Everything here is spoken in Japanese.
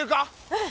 うん。